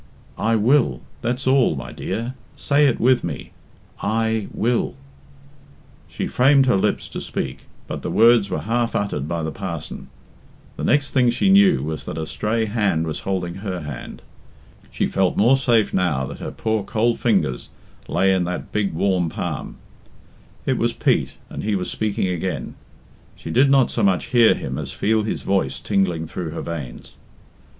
"I will! That's all, my dear. Say it with me, 'I will.'" She framed her lips to speak, but the words were half uttered by the parson. The next thing she knew was that a stray hand was holding her hand. She felt more safe now that her poor cold fingers lay in that big warm palm. It was Pete, and he was speaking again. She did not so much hear him as feel his voice tingling through her veins.